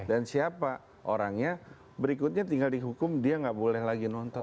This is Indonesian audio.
dan siapa orangnya berikutnya tinggal dihukum dia nggak boleh lagi nonton